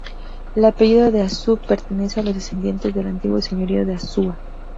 El apellido "de Asúa" pertenece a los descendientes del antiguo Señorío de Asúa.